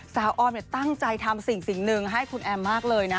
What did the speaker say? ออมตั้งใจทำสิ่งหนึ่งให้คุณแอมมากเลยนะ